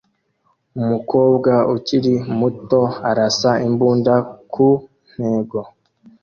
Umukobwa ukiri muto arasa imbunda ku ntego